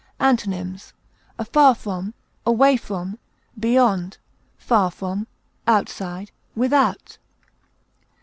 Antonyms: afar from, away from, beyond, far from, outside, without.